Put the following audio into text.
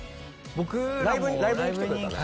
僕らもライブに来てくれたね